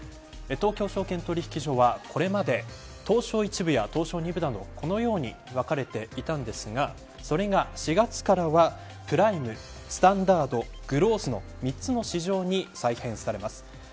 東京証券取引所は、これまで東証１部や東証２部などこのように分かれていたんですがそれが４月からは、プライムスタンダードグロースの３つの市場に再編されます。